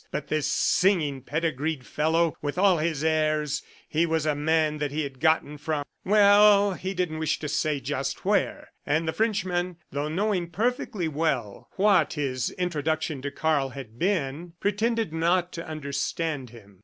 But this singing Pedigreed Fellow, with all his airs! ... He was a man that he had gotten from ... well, he didn't wish to say just where! And the Frenchman, though knowing perfectly well what his introduction to Karl had been, pretended not to understand him.